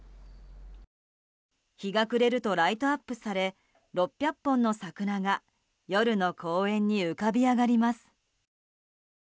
日が暮れるとライトアップされ６００本の桜が夜の公園に浮かび上がります。